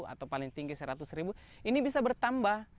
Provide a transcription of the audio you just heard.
atau paling tinggi seratus ribu ini bisa bertambah